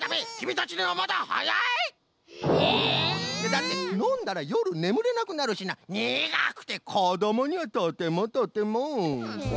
だってのんだらよるねむれなくなるしなにがくてこどもにはとてもとても。